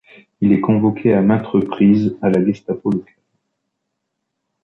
Il est convoqué à maintes reprises à la Gestapo locale.